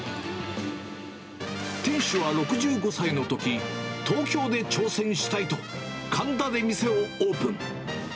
店主は６５歳のとき、東京で挑戦したいと、神田で店をオープン。